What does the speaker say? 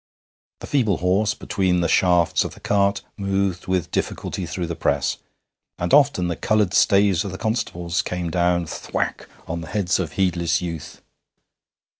The feeble horse between the shafts of the cart moved with difficulty through the press, and often the coloured staves of the constables came down thwack on the heads of heedless youth.